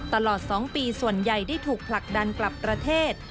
ตลอด๒ปีส่วนใหญ่ได้ถูกผลักดันกลับประเทศ